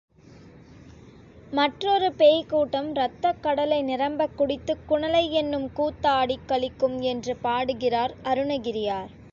மற்றொரு பேய்க் கூட்டம் ரத்தக் கடலை நிரம்பக் குடித்துக் குணலையென்னும் கூத்தாடிக் களிக்கும் என்று பாடுகிறார் அருணகிரியார்.